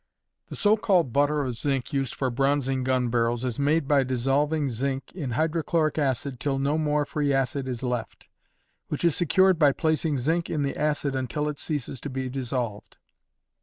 _ The so called butter of zinc used for bronzing gun barrels is made by dissolving zinc in hydrochloric acid till no more free acid is left; which is secured by placing zinc in the acid until it ceases to be dissolved.